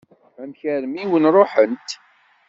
Amek armi i wen-ṛuḥent?